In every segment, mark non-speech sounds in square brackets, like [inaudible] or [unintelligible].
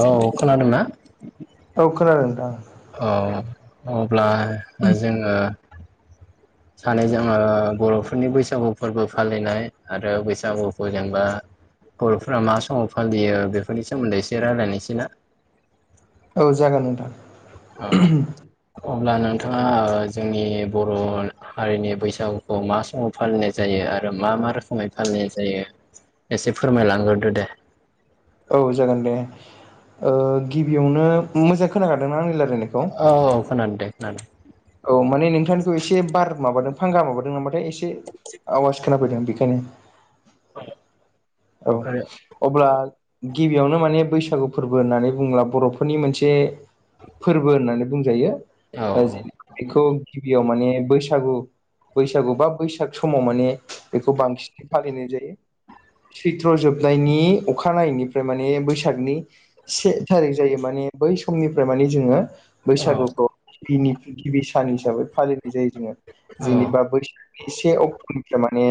औ खोनादोंना? औ खोनादों नोंथां। औ अब्ला जोङो सानैजोङो बर'फोरनि बैसागु फोरबो फालिनाय आरो बैसागुखौ जेनेबा बर'फोरा मा समाव फालियो बेफोरनि सोमोन्दै एसे रायलायनोसै ना? औ जागोन नोंथां। औ अब्ला नोंथाङा ओ जोंनि बर' हारिनि बैसागुखौ मा समाव फालिनाय जायो आरो मा मा रोखोमै फालिनाय जायो। एसे फोरमायलांग्रोदो दे? औ जागोन दे ओ गिबियावनो मोजां खोनाखादोंना आंनि रायला औ खोनादों दे खोनादों। औ माने नोंथां एसे बार मादों फांगा माबादों होनबाथाय एसे आवाज खोनाफैदों बेनिखायनो औ आरो अब्ला गिबियावनो माने बैसागु फोरबो होननानै बुंङोब्ला बर'फोरनि मोनसे फोरबो होननानै बुंजायो औ जि बेखौ गिबियाव माने बैसागु बैसागु बा बैसाग समाव माने बेखौ बांसिनै फालिनाय जायो। सैथ्र' जोबनायनि अखानायैनिफ्राय माने बैसागनि से थारिख जायो माने बै समनिफ्राय माने जोङो औ बैसागुखौ गिबिनि गिबि सान हिसाबै फालिनाय जायो जोङो जेनेबा बैसाग से अक्ट'निफ्राय माने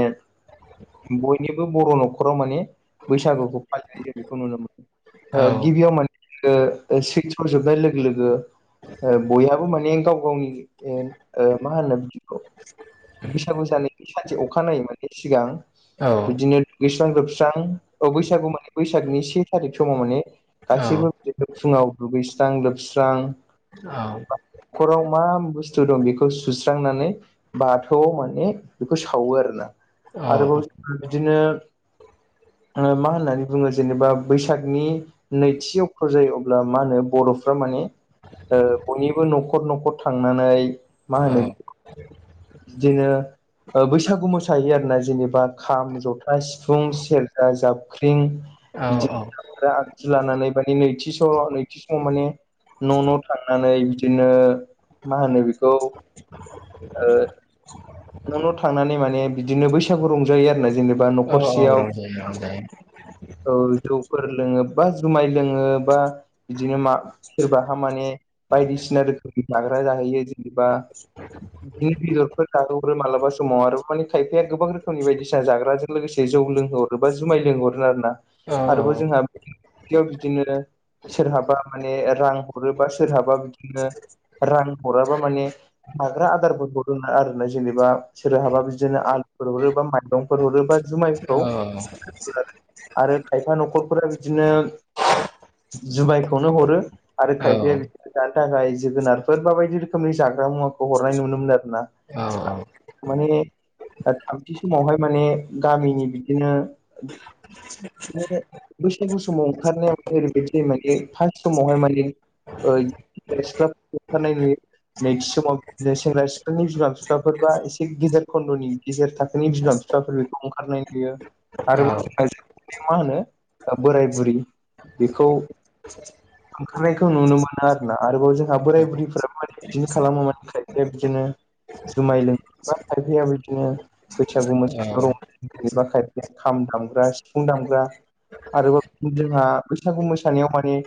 बयनिबो बर' न'खराव माने बैसागुखौ फालिनाय जों बेखौ नुनो औ मोनो गिबियाव माने [unintelligible] जोबनाय लोगो लोगो बयहाबो मानि गाव गावनि ओ मा होनो बिदिखौ [unintelligible] सानसे अखानायै माने सिगां औ बिदिनो दुगैस्रां लोबस्रां औ बैसागु माने बैसागनि से थारिख समाव माने गासैबो फुङाव दुगैस्रां लोबस्रां औ न'खराव मा बुस्थु दं बेखौ सुस्रांनानै बाथौआव माने बेखौ सावो आरो ना औ आरोबाव जों बिदिनो मा होननानै बुङो जेनेबा बैसागनि नैथि अक्ट' जायो अब्ला मा होनो बर'फ्रा माने बयनिबो न'खर न'खर न'खर थांनानै मा होनो औ बिदिनो बैसागु मोसायो आरो ना जेनेबा खाम जथा सिफुं सेरजा जाब ख्रिं औ औ आरो आगजु लानानै माने नैथिस नैथिस' माने न' न' थाङो नानै बिदिनो मा होनो बेखौ ओ न' न' थांनानै माने बिदिनो बैसागु रंजायो आरोना जेनेबा औ औ न'खरसेयाव रंजायो रंजायो। औ जौफोर लोङो बा जुमाय लोङो बा बिदिनो मा सोरबा थारमाने बायदिसिना रोखोमनि जाग्रा जाहैयो जेनेबा बिदिनो बेदरफोर जाहोहरो मालाबा समाव आरो माने खायफाया गोबां रोखोमनि बायदिसिना जाग्राजों लोगोसे जौ लोंहरो बा जुमाय लोंहरो आरो ना औ औ बिदियाव बिदिनो सोरहाबा माने रां हरोबा सोरहाबा बिदिनो रां हराबा माने हाग्रा आदारफोरखौ हो आरो ना जेनेबा सोर हाबा बिदिनो आलुफोर हरो बा माइरंफोर हरो बा जुमायखौ आरो खायफा न'खरफोरा बिदिनो जुबायखौनो हरो। आरो खायफाया बिदिर जानो थाखाय जोगोनारफोर बा बायदि रोखोमनि जाग्रा मुवाफोर खौ हरनाय नुनो मोन आरोना। माने थामथि समावहाय माने गामिनि बिदिनो [inaudible] बैसागु समाव ओंखारनायाव ओरैबायदि माने फार्स्ट समावहाय माने [unintelligible] [unintelligible] नैथि समाव सेंग्रा सिख्लानि बिमा बिफाफोरबा एसे गेदेर खन्द'नि गेजेर थाखोनि बिमा बिफाफोर बेखौ ओंखारनाय नुयो। आरोबाव जोंहा जोबनायाव मा होनो बोराय बुरि बेखौ [inaudible] ओंखारनायखौ नुनो मोनो आरोना। आरोबाव जोंहा बोराय बुरैफोरा म बिदिनो खालामो मान खायफाया बिदिनो जुमाय लों खायफाया बिदिनो बैसागु मोसाग रंबा खायफाया खाम दामग्रा, सिफुं दामग्रा आरोबाव जोंहा बैसागु मोसानायाव माने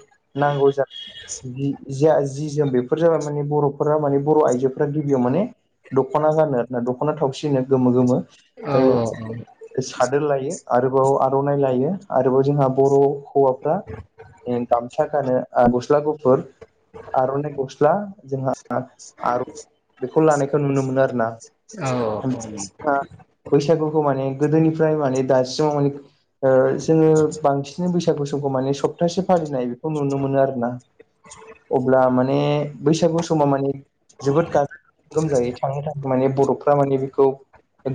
नांगौ जायो। जि जिया जि जोम बेफोर जाबाय माने बर'फोरा माने बर' आइजोफोरा गिबियाव माने दख'ना गानो आरा दख'ना थावसि होनो गोमो गोमो। औ आरो औ औ। सादोर लायो आरोबाव आर'नाइ लायो आरोबाव जोंहा बर' हौवाफ्रा गामसा गानो गस्ला गुफुर आर'नाइ गस्ला जोंहा आर' बेखौ लानायखौ नुनो मोनो आरोना। सा औ औ। बैसागुखौ माने गोदोनिफ्राय माने दासिमाव माने ओ जोङो बांसिन बैसागु समखौ माने सप्तासे फालिनाय बेखौ नुनो मोनो आरोना। अब्ला माने बैसागु समा माने जोबोद गाजा गोमजायै थांनो थाखाय माने बर'फ्रा माने बेखौ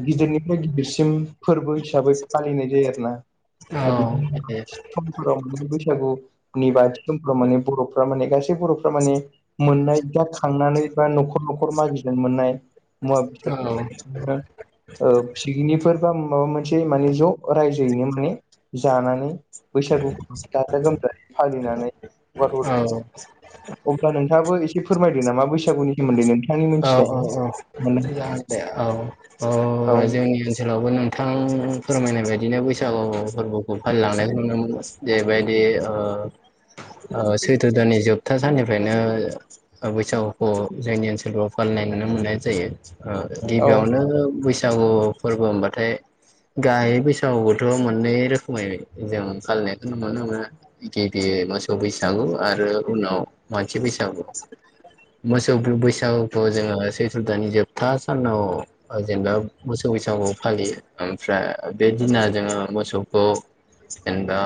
गिदिरनिफ्राय गिदिरसिम फोरबो हिसाबै फालिनाय जायो आरोना। औ। बिदिनो समफोराव माने बैसागुनि बाथि समफोराव माने बर'फ्रा माने गासै बर'फ्रा माने मोननाय दा खांनानै बा न'खर न'खर मागिजों मोननाय मुवा बेसाद फोरा ओ पिकनिकफोर बा माबा मोनसे माने ज' रायजोयैनो माने जानानै बैसागु फोर गाजा गोमजायै फालिनानै हगार हरो औ। अब्ला नोंथाङाबो एसे फोरमायदो नामा बैसागुनि सोमोन्दै नोंथांनि औ मोनथिनाया मान [unintelligible] औ। जोंनि ओनसोलावबो नोंथां फोरमायनाय बायदिनो बैसागु फोरबोखौ फालिलांनायखौ नुनो मोनो। जैबायदि ओ सैथो दाननि जोब जोबथा साननिफ्रायनो बैसागुखौ जोंनि ओनसोलफ्राव फालिनाय नुनो मोननाय जायो। ओ औ गिबियावनो बैसागु फोरबो होनबाथाय गायै बैसागु बोथोराव मोननै रोखोमै जों फालिनायखौ नुनो मोनो। गिबि मासाव बैसागु आरो उनाव मानसि बैसागु मोसौ बैसागुखौ जोङो सैथ्र' दानि जोबथा सानाव जेनेबा मोसौ बैसागु फालियो। ओमफ्राय बे दिना जोङो मोसौखौ जेनेबा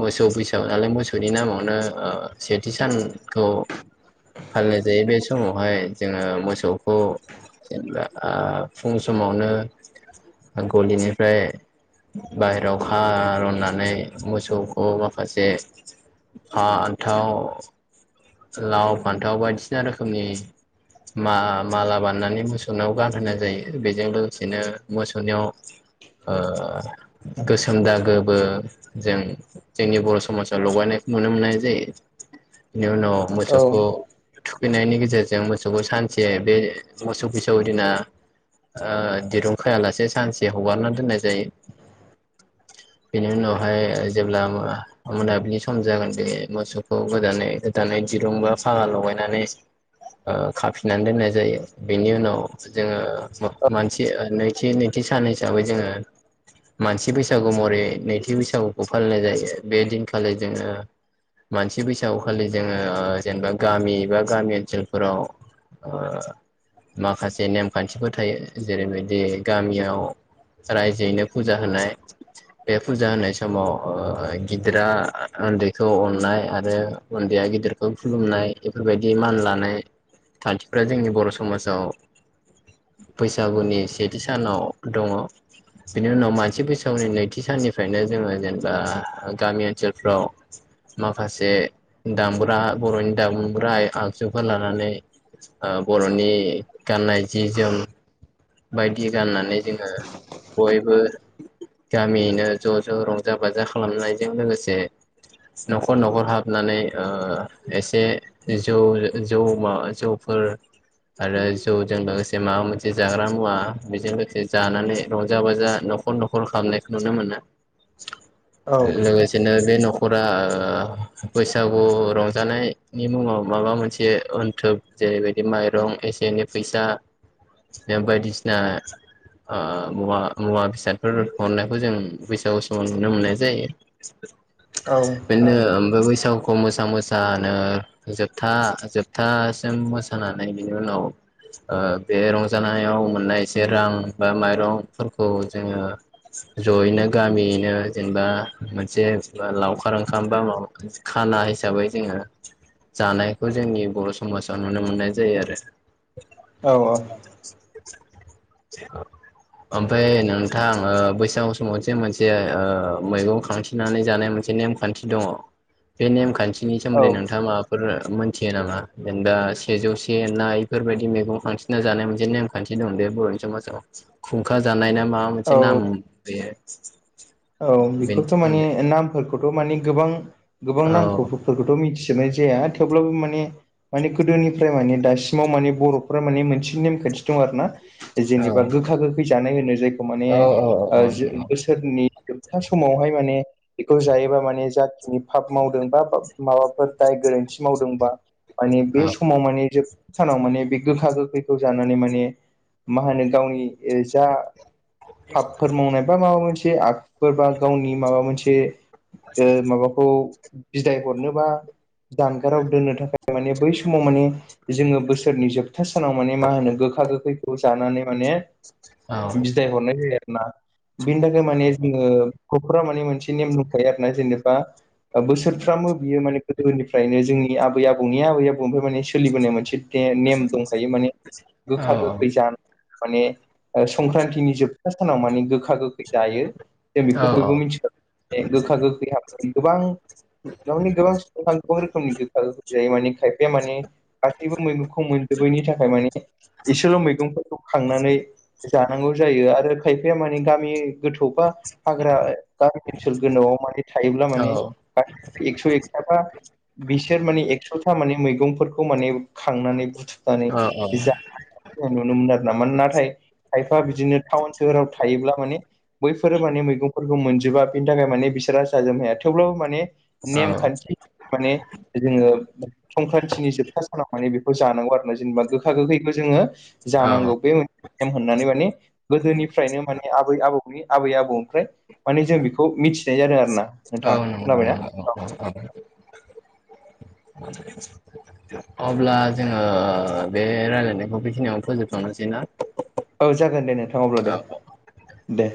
मोसौ बैसागो नालाय मोसौनि नामावनो ओ सेथि सान खौ फालिनाय जायो। बे समावहाय जोङो मोसौखौ जेनेबा ओ फुं समावनो आंखौ दिनिफ्राय बाहेरायाव खार'ननानै मोसौखौ माखासे फान्थाव लाव फान्थाव बायदिसिना रोखोमनि मा-माला बाननानै मोसौनायाव गारहोनाय जायो। बेजों बिदिनो मोसौनियाव ओ गोसो खोमदा गोबो जों जोंनि बर' समाजाव लगायनायखौ नुनो मोननाय जायो। बेनि उनाव औ मोसौखौ थुखैनायनि गेजेरजों मोसौखौ सानसे बे मोसौ फिसौ दिना दिरुं खायालासे सानसे हगारना दोननाय जायो। [inaudible] बेनि उनावहाय ओ जेब्ला म मोनाबिलि सम जागोन बे मोसौखौ गोदानै गोदानै दिरुं बा फागा लगायनानै ओ खाफिननानै दोननाय जायो बेनि उनाव जोङो मानसि नैथि नैथि सान हिसाबै जोङो मानसि बैसागु महरै नैथि बैसागुखौ फालिनाय जायो बे दिनखालि जोङो मानसि बैसागु खालि जोङो जेनेबा गामि एबा गामि ओनसोलफोराव ओ माखासे नेमखान्थिफोर थायो जेरैबायदि गामियाव रायजोयैनो फुजा होनाय बे फुजा होनाय समाव ओ गिदिरा उन्दैखौ अननाय आरो उन्दैया गिदिरखौ खुलुमनाय बेफोरबायदि मान लानाय खान्थिफ्रा जोंनि बर' समाजाव बैसागुनि सेथि सानाव दङ। बिनि उनाव मानसि बैसागुनि नैथि साननिफ्रायनो जोङो जेनेबा गामि ओनसोलफ्राव माखासे दामग्रा बर'नि दामग्रा आ आगजुफोर लानानै ओ बर'नि गाननाय जि जोम बायदि गाननानै जोङो बयबो गामियैनो ज' ज' रंजा बाजा खालामनायजों लोगोसे न'खर न'खर हाबनानै ओ एसे जौ जौ माबा जौफोर आरो जौजों लोगोसे माबा मोनसे जाग्रा मुवा बेजों लोगोसे जानानै रंजा बाजा न'खर न'खर खालामनायखौ नुनो मोनो। [inaudible] लोगोसेनो बे नख' खरा ओ बैसागु रंजानायनि मुङाव माबा मोनसे अनथोब जेरैबायदि माइरं एसे एनै फैसा बायदिसिना ओ मुवा मुवा बेसादफोर हरनायखौ जों बैसागु समाव नुनो मोननाय जायो। बेनो ओमफ्राय बैसागु खौ मोसा मोसानो जोबथा जोबथासिम मोसानानै बिनि उनाव ओ बे रंजानायाव मोननाय जे रां बा माइरंफोरखौ जोङो जयैनो गामियैनो जेनेबा मोनसे जेनबा लावखार ओंखाम बा माबा खाना हिसाबै जोङो जानायखौ जोंनि बर' समाजाव नुनो मोननाय जायो आरो। औ औ। [inaudible] ओमफ्राय नोंथां ओ बैसागु समाव जे मोनसे ओ मैगं खांथिनानै जानाय मोनसे नेम खान्थि दङ [inaudible] बे नेमखान्थिनि औ सोमोन्दै नोंथाङा माबा फोर मोनथियो नामा जेनेबा सेजौ से ना इफोरबायदि मैगं खांथिंना जानाय मोन से नेम खान्थि दं बे बर'नि समाजाव खुंखा जानाय ना माबा मोनसे औ नाम बेयो। औ बेनि बेखौथ' माने सोमोन्दै नामफोरखौथ' माने गोबां गोबां औ नामखौबो फोरखौथ' मिथिजोबनाय जाया थेवब्लाबो माने माने गोदोनिफ्राय माने दासिम सिमाव माने बर'फोरा माने मोनसे नेम खान्थि दं आरोना औ जेनेबा गोखा गोखै जानाय होनो जायखो औ माने औ औ बोसोरनि जोबथा समावहाय माने बेखौ जायोबा माने जाखिनि फाब मावदों बा माबाफोर दाय गोरोन्थि थि मावदोंबा माने औ बे समाव माने जोब सानाव माने बे गोखा गोखैखौ जानानै माने मा होनो गावनि जा फाबफोर मावनाय बा माबा मोनसे फोरबा गावनि माबा मोनसे ओ माबा खौ बिदाय हरनो बा जानगाराव दोननो थाखाय माने बै समाव माने जोङो बोसोरनि जोबथा सानाव माने मा होनो गोखा गोखैखौ जानानै माने औ बिदाय हरनाय जायो आरोना बिनि थाखाय माने ओ ग'फोरा माने मोनसे नेम दंखायो आरो ना जेनेबा ओ बोसोरफ्रामबो बियो माने गोदोनिफ्रायनो जोंनि आबै आबौनि आबै आबौनिफ्राय माने सोलिबोनाय मोनसे ते नेम दंखायो माने गोखा गोखै जान माने ओ संख्रान्थिनि जोबथा सानाव माने गोखा गोखै जायो। जों बेखौ बयबो मिथिखा गे गोखा गोखै [unintelligible] गोबां दा माने गोबां [unintelligible] रोखोमनि गोखा गोखै जायो माने खायफाया माने गासैबो मैगंखौ खौ मोनजोबैनि थाखाय माने इसेल' मैगंफोरखौ खांनानै जानांगौ जायो आरो। खायफाया माने गामि गोथौ बा हाग्रा गामि सोल गोनांआव माने थायोब्ला औ नंगौ औ माने [unintelligible] एक्स' एकथाबा बिसोर माने एक्स'था माने मैगंफोरखौ माने खांनानै बुथु माने [unintelligible] नुनो मोनो आरोना मा नाथाय खायफा बिदिनो थाउन सोहोराव थायोब्ला माने बैफोरो माने मैगंफोरखौ मोनजोबा बेनि थाखाय माने बिसोरा जाजोबनो हाया थेवब्लाबो माने नेम खान्थि माने जोङो संख्रान्थिनि जोबथा सानाव माने बेखौ जानांगौ आरो ना जेनेबा गोखा गोखैखौ जोङो जानांगौ बे [unintelligible] नेम होननानै माने गोदोनिफ्रायनो माने आबै आबौनि आबै आ अ ओमफ्राय माने जों बेखौ मिथिनाय जादों आरो ना नोंथां खोनाबायना [unintelligible] अब्ला जोङो बे रायलायनायखौ बेखिनियावनो फोजोबथ'नोसै ना? औ जागोन दे नोंथां अब्ला दे दे